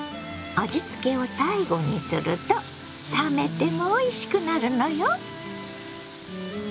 味付けを最後にすると冷めてもおいしくなるのよ！